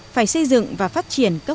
phải xây dựng và phát triển các khu vực